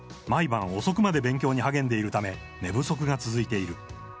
毎晩遅くまで勉強に励んでいるため寝不足が続いている。